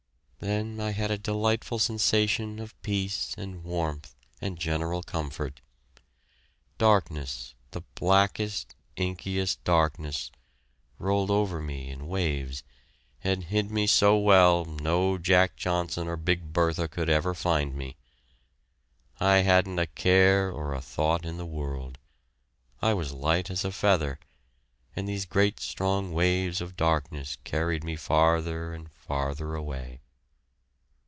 Then I had a delightful sensation of peace and warmth and general comfort. Darkness, the blackest, inkiest darkness, rolled over me in waves and hid me so well no Jack Johnson or Big Bertha could ever find me. I hadn't a care or a thought in the world. I was light as a feather, and these great strong waves of darkness carried me farther and farther away.